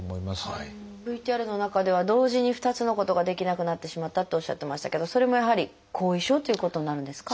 ＶＴＲの中では同時に２つのことができなくなってしまったっておっしゃってましたけどそれもやはり後遺症ということになるんですか？